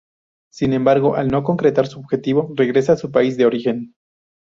Sin embargo al no concretar su objetivo, regresa a su país de origen.